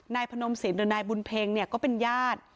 พนมสินหรือนายบุญเพ็งเนี่ยก็เป็นญาติ